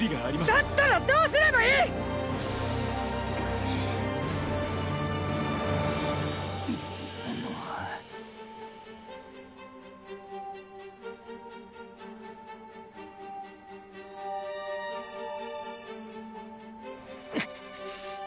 だったらどうすればいい！！ッ！